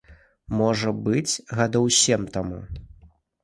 Можа быць, гадоў сем таму.